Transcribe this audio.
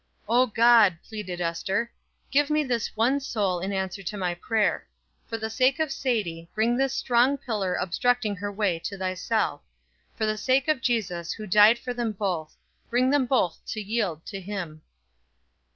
"O God," pleaded Ester, "give me this one soul in answer to my prayer. For the sake of Sadie, bring this strong pillar obstructing her way to thyself. For the sake of Jesus, who died for them both, bring them both to yield to him."